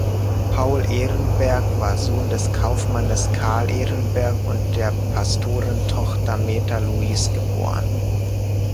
Paul Ehrenberg war Sohn des Kaufmannes "Carl Ehrenberg" und der Pastorentochter "Meta Louise geb.